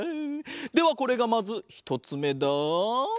ではこれがまずひとつめだ。